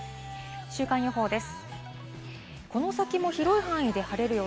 週間予報です。